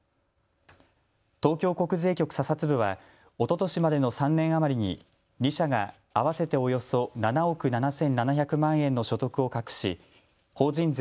東京国税局査察部はおととしまでの３年余りに２社が合わせておよそ７億７７００万円の所得を隠し法人税